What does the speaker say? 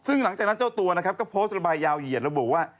ซึ่งหลังจากนั้นเจ้าตัวนะครับก็โพสต์ระบายยาวเหยียดระบุว่า